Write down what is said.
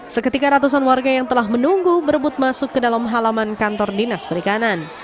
seketika ratusan warga yang telah menunggu berebut masuk ke dalam halaman kantor dinas perikanan